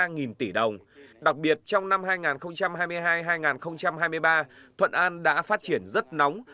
hàng nghìn tỷ đồng đặc biệt trong năm hai nghìn hai mươi hai hai nghìn hai mươi ba thuận an đã phát triển rất nóng